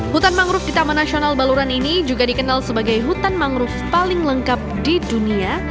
hutan mangrove di taman nasional baluran ini juga dikenal sebagai hutan mangrove paling lengkap di dunia